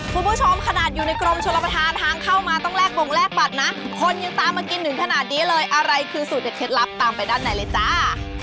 คุณผู้ชมขนาดอยู่ในกรมชนประธานทางเข้ามาต้องแลกบงแลกบัตรนะคนยังตามมากินถึงขนาดนี้เลยอะไรคือสูตรเด็ดเคล็ดลับตามไปด้านในเลยจ้า